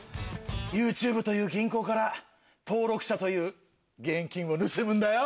ＹｏｕＴｕｂｅという銀行から登録者という現金を盗むんだよ！